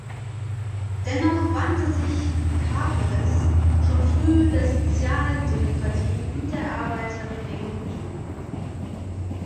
Dennoch wandte sich Karpeles schon früh der Sozialdemokratie und der Arbeiterbewegung zu.